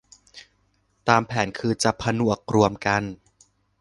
ตามแผนคือจะผนวกรวมกัน